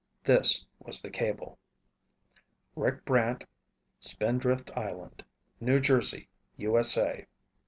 This was the cable: RICK BRANT SPINDRIFT ISLAND NEW JERSEY, U.S.A.